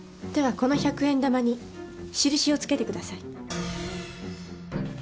この１００円玉に印をつけてください。